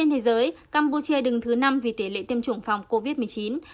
trên thế giới campuchia đứng thứ năm vì tỷ lệ tiêm chủng phòng covid một mươi chín